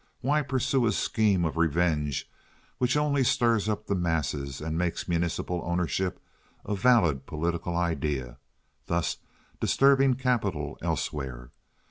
Why pursue a scheme of revenge which only stirs up the masses and makes municipal ownership a valid political idea, thus disturbing capital elsewhere?